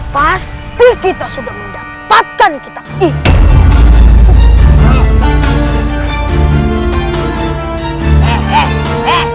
pasti kita sudah mendapatkan kita itu